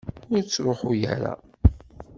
Ur ttṛuḥu ara!